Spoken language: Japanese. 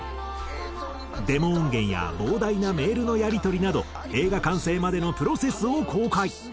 デモ音源や膨大なメールのやり取りなど映画完成までのプロセスを公開。